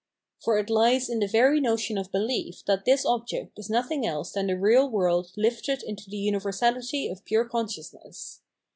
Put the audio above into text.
For it lies in the very notion of belief that this object is nothing else than the real world lifted into the uni versality of pure consciousness.